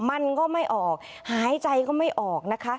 มันก็ไม่ออกหายใจก็ไม่ออกนะคะ